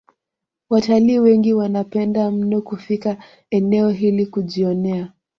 Watalii wengi wanapenda mno kufika eneo hili kujionea